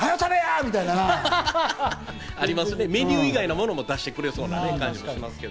メニュー以外のものも出してくれそうな感じがしますけど。